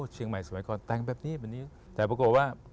เชียงใหม่สมัยก่อนแต่งแบบนี้แบบนี้แต่ปรากฏว่า